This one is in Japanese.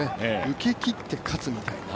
受けきって勝つみたいな